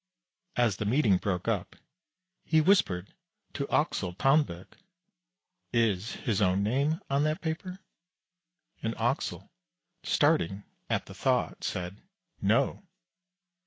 As the meeting broke up he whispered to Axel Tanberg: "Is his own name on that paper?" And Axel, starting at the thought, said: "No."